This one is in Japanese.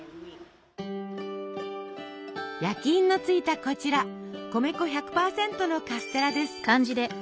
焼印のついたこちら米粉１００％のカステラです。